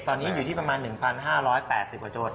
ตอนนี้อยู่ที่ประมาณ๑๕๘๐ประจด